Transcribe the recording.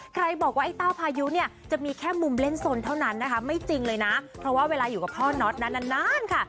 ใครบอกว่าไอ้เต้าพายุเนี่ยจะมีแค่มุมเล่นสนเท่านั้นนะคะไม่จริงเลยนะเพราะว่าเวลาอยู่กับพ่อน็อตนั้นนานค่ะ